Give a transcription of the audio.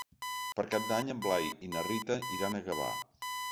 Per Cap d'Any en Blai i na Rita iran a Gavà.